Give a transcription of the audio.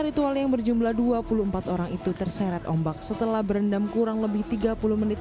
ritual yang berjumlah dua puluh empat orang itu terseret ombak setelah berendam kurang lebih tiga puluh menit